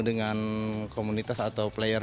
dengan komunitas atau player